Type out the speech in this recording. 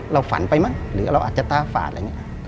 ฝันไปมั้งหรือเราอาจจะตาฝาดอะไรอย่างนี้